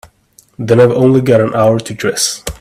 Then I've only got an hour to dress.